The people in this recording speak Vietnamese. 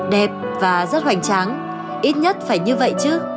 đẹp và rất hoành tráng ít nhất phải như vậy chứ